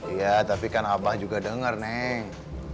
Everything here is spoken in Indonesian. iya tapi kan abah juga denger neng